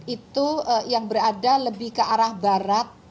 itu yang berada lebih ke arah barat